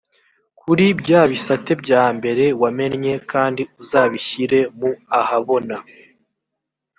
kuri bya bisate bya mbere wamennye kandi uzabishyire mu ahabona.